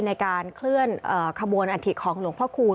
ในการเคลื่อนขบวนอัฐิของหลวงพ่อคูณ